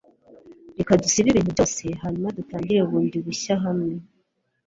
Reka dusibe ibintu byose hanyuma dutangire bundi bushya hamwe